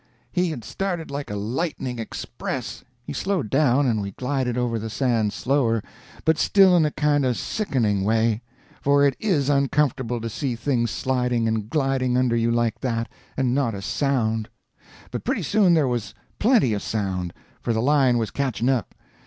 He had started like a lightning express. He slowed down, and we glided over the sand slower, but still in a kind of sickening way; for it is uncomfortable to see things sliding and gliding under you like that, and not a sound. But pretty soon there was plenty of sound, for the lion was catching up.